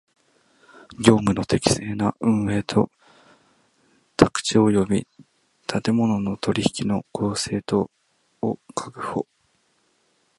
業務の適正な運営と宅地及び建物の取引の公正とを確保